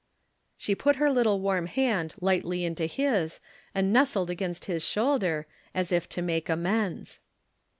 She put her little warm hand lightly into his and nestled against his shoulder, as if to make amends.